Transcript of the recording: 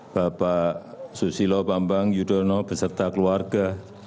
bapak susilo bambang yudhoyono beserta keluarga